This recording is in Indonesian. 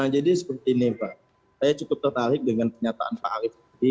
jadi seperti ini pak saya cukup tertarik dengan kenyataan pak arief tadi